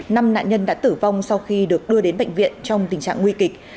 năm nạn nhân đã tử vong sau khi được đưa đến bệnh viện trong tình trạng nguy kịch